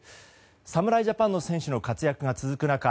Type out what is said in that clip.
侍ジャパンの選手の活躍が続く中